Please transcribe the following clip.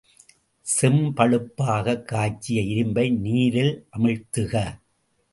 செம்பழுப்பாகக் காய்ச்சிய இரும்பை நீரில் அமிழ்த்துக.